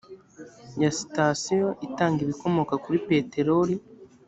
ya sitasiyo itanga ibikomoka kuri peteroli